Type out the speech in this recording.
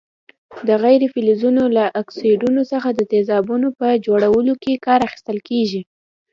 د غیر فلزونو له اکسایډونو څخه د تیزابونو په جوړولو کې کار اخیستل کیږي.